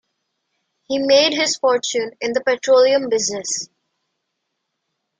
He made his fortune in the petroleum business.